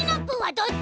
どっち？